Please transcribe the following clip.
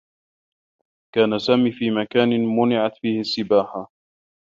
كان سامي في مكان مُنعت فيه السّباحة.